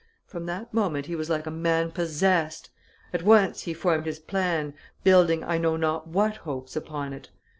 From that moment, he was like a man possessed. At once he formed his plan, building I know not what hopes upon it.